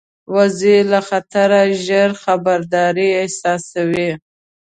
وزې له خطره ژر خبرداری احساسوي